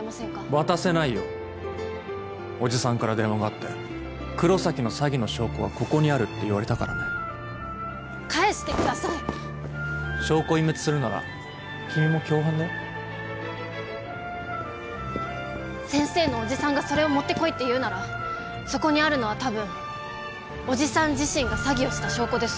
渡せないよ叔父さんから電話があって黒崎の詐欺の証拠はここにあるって言われたからね返してください証拠隠滅するなら君も共犯だよ先生の叔父さんがそれを持ってこいって言うならそこにあるのはたぶん叔父さん自身が詐欺をした証拠です